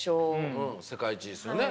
世界一ですよね。